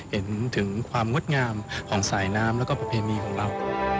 เห็นถึงความงดงามของสายน้ำแล้วก็ประเพณีของเรา